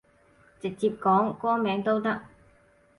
直接講歌名都得